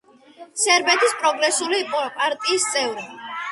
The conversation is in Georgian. სერბეთის პროგრესული პარტიის წევრი.